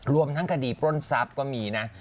รวมทั้งคดีปล้นทรัพย์ก็มีนะ